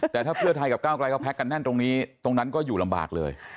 แต่ถ้าเพื่อไทยกับก้าวกลายเขาแพ็คกันแน่นตรงนี้ตรงนั้นก็อยู่ลำบากเลย